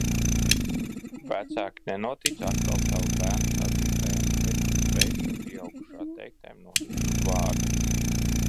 Vecāki nenotic atkal sava bērna sacītajam, bet sveša pieaugušā teiktajam notic uz vārda.